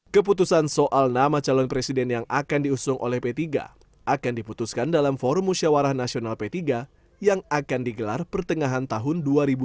keputusan soal nama calon presiden yang akan diusung oleh p tiga akan diputuskan dalam forum musyawarah nasional p tiga yang akan digelar pertengahan tahun dua ribu dua puluh